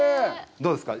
どうですか？